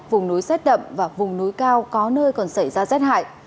vùng núi rét đậm và vùng núi cao có nơi còn xảy ra rét hại